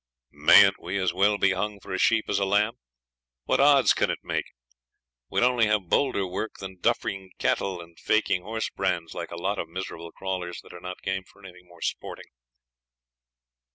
Mayn't we as well be hung for a sheep as a lamb? What odds can it make? We'll only have bolder work than duffing cattle and faking horse brands like a lot of miserable crawlers that are not game for anything more sporting.'